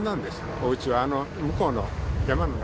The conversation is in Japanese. お家はあの向こうの山の中。